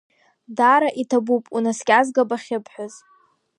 Даара иҭабуп унаскьазгап ахьыбҳәаз.